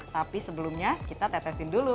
tapi sebelumnya kita tetesin dulu